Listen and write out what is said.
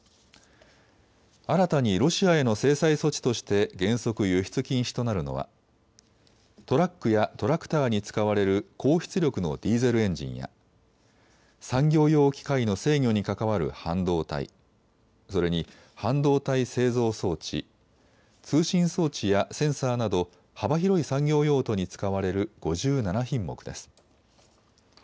新たにロシアへの制裁措置として原則、輸出禁止となるのはトラックやトラクターに使われる高出力のディーゼルエンジンや産業用機械の制御に関わる半導体、それに半導体製造装置、通信装置やセンサーなど幅広い産業用途に使われる５７品目です。